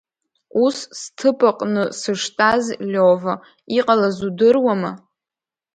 Ус сҭыԥаҟны сыштәаз Лиова, иҟалаз удыруама?